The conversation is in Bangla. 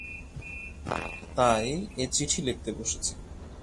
তাই এ চিঠি লিখতে বসেছি।